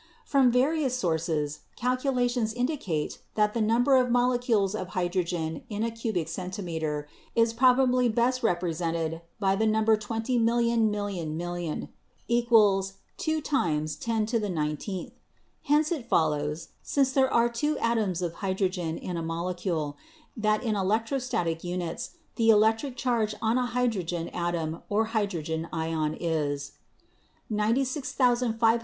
'From various sources calculations indicate that the number of molecules of hydrogen in a cubic centimeter is probably best represented by the number twenty million million million=2 X iq19 ' Hence it follows, since there are two atoms of hydrogen in a molecule, that in electrostatic units the electric charge on a hydrogen atom or hydrogen ion is 96540 w 3 ^ I0 ?